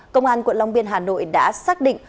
công an quận long biên hà nội đã xác định